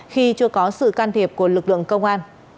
khi chưa có sự can thiệp của lực lượng công an